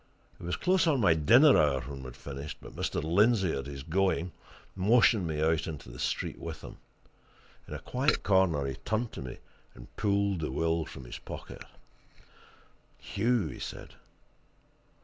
It was close on my dinner hour when we had finished, but Mr. Lindsey, at his going, motioned me out into the street with him. In a quiet corner, he turned to me and pulled the will from his pocket. "Hugh!" he said.